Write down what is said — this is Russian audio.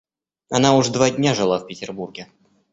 Она уж два дня жила в Петербурге.